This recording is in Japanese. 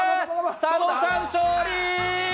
佐野さん、勝利！